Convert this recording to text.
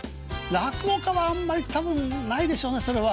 落語家はあんまり多分ないでしょうねそれは。